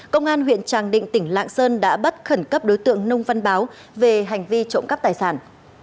công an huyện tràng định tỉnh lạng sơn đã bắt khẩn cấp đối tượng nông văn báo về hành vi trộm cắp tài sản